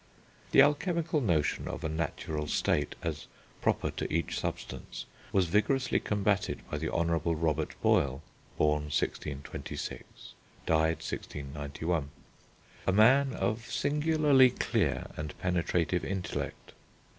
The alchemical notion of a natural state as proper to each substance was vigorously combated by the Honourable Robert Boyle (born 1626, died 1691), a man of singularly clear and penetrative intellect.